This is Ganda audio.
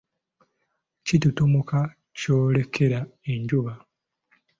Kitutumuka kyolekera enjuba.